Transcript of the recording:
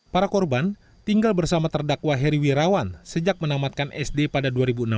para korban tinggal bersama terdakwa heri wirawan sejak menamatkan sd pada dua ribu enam belas